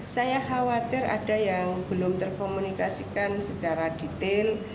saya khawatir ada yang belum terkomunikasikan secara detail